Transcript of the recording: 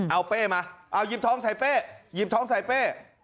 เอาเป้มาเอาหยิบท้องใส่เป้หยิบท้องใส่เป้